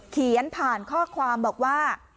เขียนผ่านข้อความบอกว่า